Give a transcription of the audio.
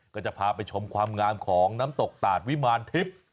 ก็จะพาไปชมความงามของน้ำตกตาดวิมารทิพย์